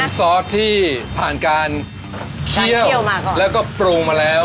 เป็นซอสที่ผ่านการเคี้ยวแล้วก็ปรุงมาแล้ว